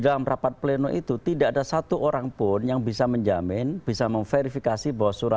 karena itu sudah diklarifikasi